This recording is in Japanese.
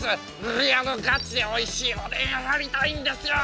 リアルガチでおいしいおでんややりたいんですよ。